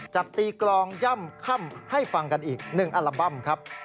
จะตีกลองย่ำค่ำให้ฟังกันอีก๑อัลบั้มครับ